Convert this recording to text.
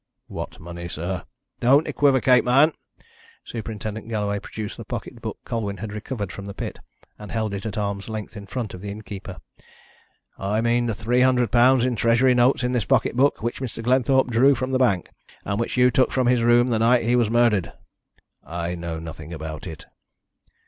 "What money, sir?" "Don't equivocate, man!" Superintendent Galloway produced the pocket book Colwyn had recovered from the pit, and held it at arm's length in front of the innkeeper. "I mean the £300 in Treasury notes in this pocket book, which Mr. Glenthorpe drew from the bank, and which you took from his room the night he was murdered." "I know nothing about it."